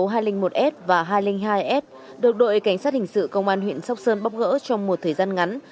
chuyên án mang bí số hai trăm linh một s và hai trăm linh hai s được đội cảnh sát hình sự công an huyện sóc sơn bóp gỡ trong một thời gian ngắn